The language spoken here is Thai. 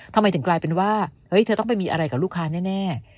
ทำไมถึงกลายเป็นว่าเฮ้ยเธอต้องไปมีอะไรกับลูกค้าแน่